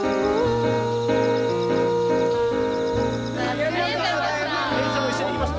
ありがとうございます。